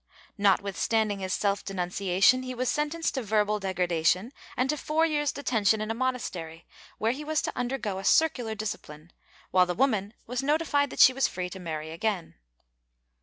Notwith standing his self denunciation, he was sentenced to verbal degra dation and to four years' detention in a monastery, where he was to undergo a circular discipline, while the woman was notified that she was free to marry again.